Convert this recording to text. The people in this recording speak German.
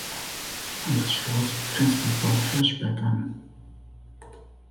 An das Schloss grenzt das Dorf Hirschberg an.